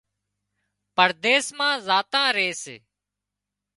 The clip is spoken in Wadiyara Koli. پرديس مان زاتان ري سي